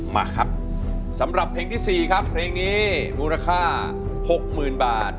มาครับสำหรับเพลงที่๔ครับเพลงนี้มูลค่า๖๐๐๐บาท